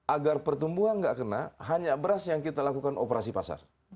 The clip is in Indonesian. agar pertumbuhan nggak kena hanya beras yang kita lakukan operasi pasar